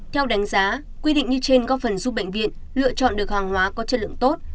theo đánh giá quy định như trên có phần giúp bệnh viện lựa chọn được hàng hóa có chất lượng tốt